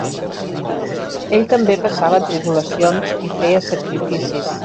Ell també passava tribulacions i feia sacrificis.